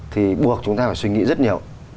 thì buộc chúng ta phải suy nghĩ rất nhiều